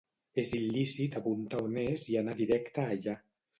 És il·lícit apuntar on és i anar directe allà.